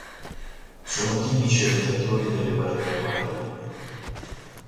Sono tipici abitatori delle barriere coralline.